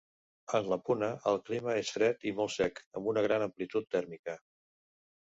En la Puna, el clima és fred i molt sec, amb una gran amplitud tèrmica.